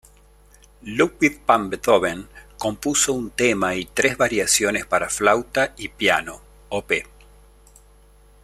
Ludwig van Beethoven compuso un tema y tres variaciones para flauta y piano, op.